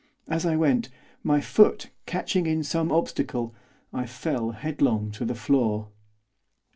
As I went, my foot, catching in some obstacle, I fell headlong to the floor.